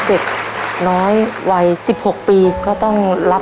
สวัสดีครับ